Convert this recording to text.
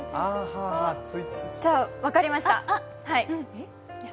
じゃあ、分かりました！